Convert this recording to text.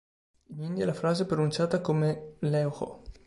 In India la frase è pronunciata come "leo-ho".